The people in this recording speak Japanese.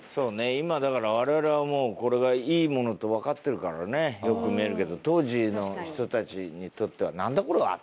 今だからわれわれはもうこれがいいものと分かってるからよく見えるけど当時の人たちにとっては「何だこれは？」と。